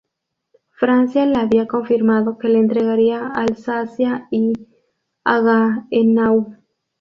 Francia le había confirmado que le entregaría Alsacia y Haguenau.